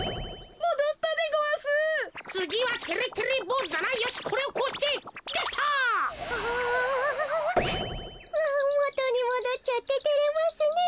もとにもどっちゃっててれますねえ。